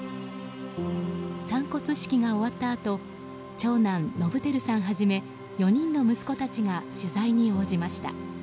散骨式が終わったあと長男・伸晃さんはじめ４人の息子たちが取材に応じました。